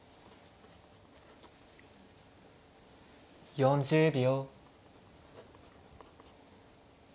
４０秒。